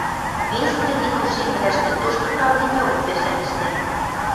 Вес кредит ушемвлӓштӹ тошты правлениок пӓшӓм ӹштӓ.